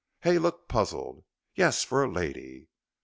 Hay looked puzzled. "Yes, for a lady."